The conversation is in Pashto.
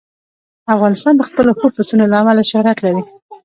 افغانستان د خپلو ښو پسونو له امله شهرت لري.